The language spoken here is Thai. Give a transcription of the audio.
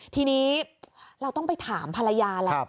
ทีนี้เราต้องไปถามภรรยาแหละ